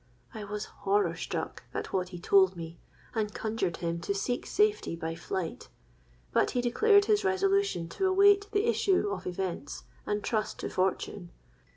I was horror struck at what he told me, and conjured him to seek safety by flight; but he declared his resolution to await the issue of events, and trust to fortune.